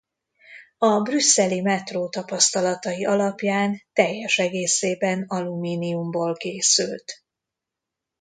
A brüsszeli Metró tapasztalatai alapján teljes egészében alumíniumból készült.